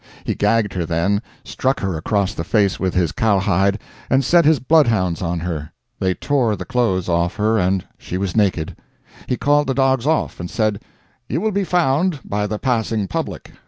He gagged her then, struck her across the face with his cowhide, and set his bloodhounds on her. They tore the clothes off her, and she was naked. He called the dogs off, and said: "You will be found by the passing public.